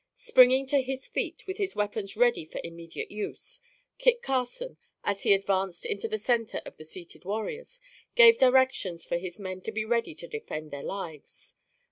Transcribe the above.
Springing to his feet with his weapons ready for immediate use, Kit Carson, as he advanced into the centre of the seated warriors, gave directions for his men to be ready to defend their lives.